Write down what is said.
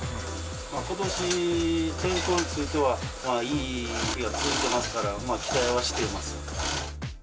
ことし、天候についてはいい日が続いてますから、期待はしています。